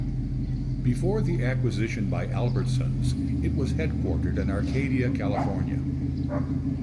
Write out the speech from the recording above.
Before the acquisition by Albertsons, it was headquartered in Arcadia, California.